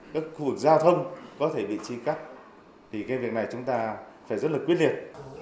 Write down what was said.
các khu vực giao thông có thể bị chia cắt thì cái việc này chúng ta phải rất là quyết liệt